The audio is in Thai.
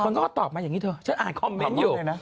เขาก็ตอบมาอย่างนี้เธอฉันอ่านคอมเมนต์อยู่